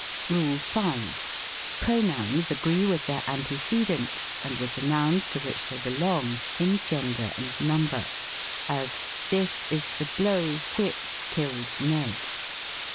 RULE V. Pronouns agree with their antecedents, and with the nouns to which they belong, in gender and number : as, « This is the blow which killed Ned."